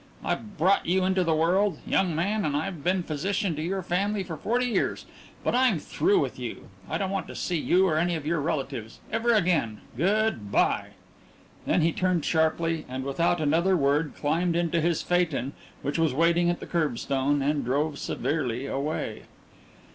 I brought you into the world, young man, and I've been physician to your family for forty years, but I'm through with you! I don't want to see you or any of your relatives ever again! Good bye!" Then he turned sharply, and without another word climbed into his phaeton, which was waiting at the curbstone, and drove severely away.